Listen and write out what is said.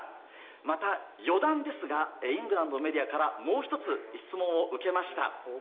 また、余談ですがイングランドのメディアからもう１つ、質問を受けました。